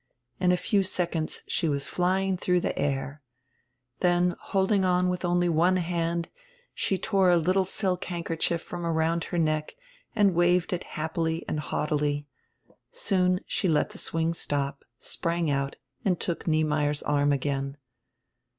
In a few seconds she was flying dirough die air. Then, holding on with only one hand, she tore a littie silk handkerchief from around her neck and waved it happily and haughtily. Soon she let die swing stop, sprang out, and took Niemeyer's arm again.